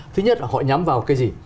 thứ nhất là họ nhắm vào cái gì